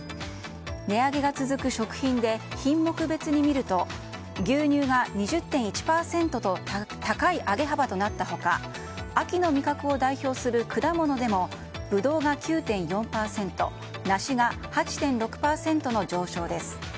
値上げが続く食品で品目別に見ると牛乳が２０．１％と高い上げ幅となった他秋の味覚を代表する果物でもブドウが９．４％梨が８．６％の上昇です。